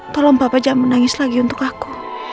tolong bapak jangan menangis lagi untuk aku